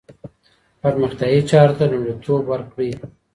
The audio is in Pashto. پرمختیايي چارو ته لومړیتوب ورکړئ.